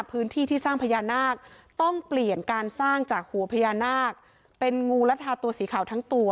พื้นที่ที่สร้างพญานาคต้องเปลี่ยนการสร้างจากหัวพญานาคเป็นงูและทาตัวสีขาวทั้งตัว